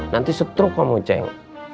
nanti setruk kamu ceng